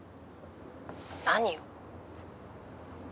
「何を？」